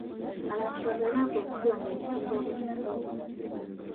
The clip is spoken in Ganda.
Abantu bagayaavu okusula mu butimba bw'ensiri.